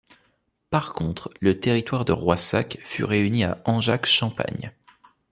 Par contre, le territoire de Roissac fut réuni à Angeac-Champagne.